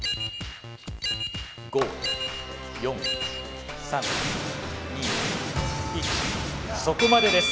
５４３２１そこまでです。